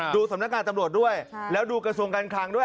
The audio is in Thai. สำนักงานตำรวจด้วยแล้วดูกระทรวงการคลังด้วย